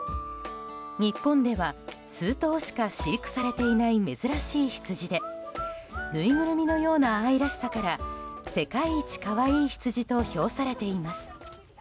日本では、数頭しか飼育されていない珍しいヒツジでぬいぐるみのような愛らしさから世界一可愛いヒツジと評されています。